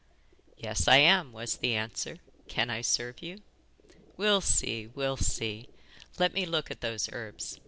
'Yes, I am,' was the answer. 'Can I serve you?' 'We'll see; we'll see! Let me look at those herbs.